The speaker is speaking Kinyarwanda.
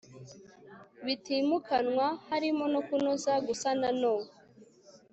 bitimukanwa harimo no kunoza gusana no